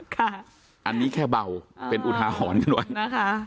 ค่ะอันนี้แค่เบาเป็นอุทาหรณ์กันไว้นะคะ